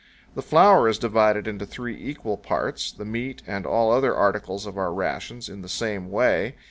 The flour is divided into three equal parts; the meat, and all other articles of our rations, in the same way.